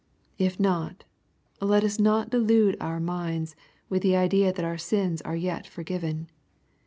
If not, let us not delude our minds with the idea that our sins are yet forgiven.